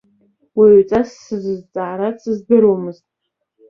Уаҩҵас сзызҵаара дсыздыруамызт.